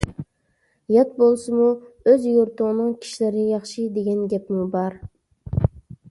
«يات بولسىمۇ ئۆز يۇرتۇڭنىڭ كىشىلىرى ياخشى» دېگەن گەپمۇ بار.